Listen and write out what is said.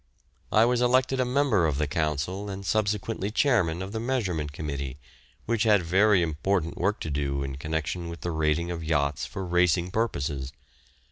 I was elected a member of the Council and subsequently chairman of the Measurement Committee, which had very important work to do in connection with the rating of yachts for racing purposes.